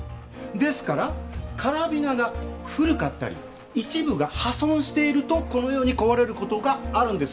ですからカラビナが古かったり一部が破損しているとこのように壊れる事があるんです。